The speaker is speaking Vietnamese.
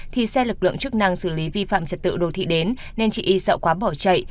thì xe lực lượng chức năng xử lý vi phạm trật tự đô thị đến nên chị y sợ quá bỏ chạy